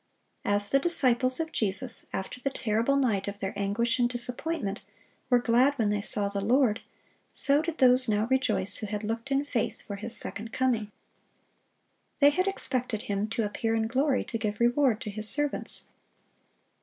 As the disciples of Jesus, after the terrible night of their anguish and disappointment, were "glad when they saw the Lord," so did those now rejoice who had looked in faith for His second coming. They had expected Him to appear in glory to give reward to His servants.